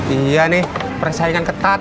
iya nih persaingan ketat